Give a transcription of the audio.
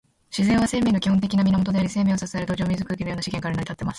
自然は、生命の基本的な源であり、生命を支える土壌、水、空気のような資源から成り立っています。